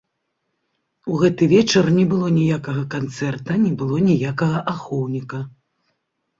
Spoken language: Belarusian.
У гэты вечар не было ніякага канцэрта, не было ніякага ахоўніка.